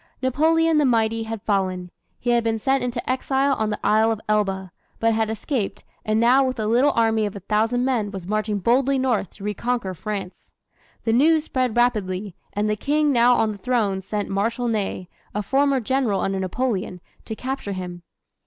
Napoleon the mighty had fallen. He had been sent into exile on the Isle of Elba, but had escaped, and now with a little army of a thousand men was marching boldly north to reconquer France. The news spread rapidly, and the King now on the throne sent Marshal Ney, a former General under Napoleon, to capture him.